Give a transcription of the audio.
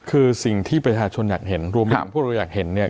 คือสิ่งที่ประชาชนอยากเห็นรวมถึงพวกเราอยากเห็นเนี่ย